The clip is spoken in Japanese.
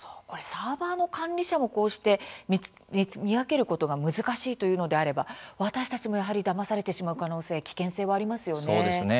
サーバーの管理者もこうして見分けることが難しいというのであれば私たちも、やはりだまされてしまう可能性危険性はありますよね。